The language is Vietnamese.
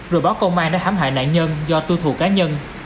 rồi báo công an đã hãm hại nạn nhân do tu thù cá nhân